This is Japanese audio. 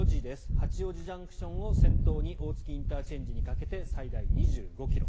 八王子ＪＣＴを先頭に大月ＩＣにかけて最大２５ｋｍ。